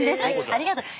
ありがとう。